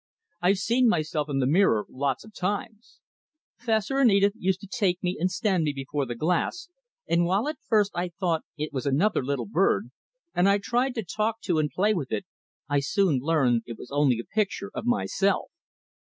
I've seen myself in the mirror lots of times. Fessor and Edith used to take me and stand me before the glass, and while at first I thought it was another little bird, and I tried to talk to and play with it, I soon learned it was only a picture of myself.